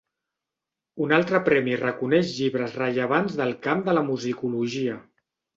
Un altre premi reconeix llibres rellevants del camp de la musicologia.